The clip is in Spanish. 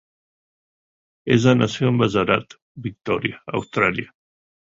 Ellis nació en Ballarat, Victoria, Australia.